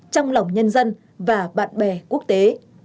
trong lòng nhân dân và bạn bè quốc tế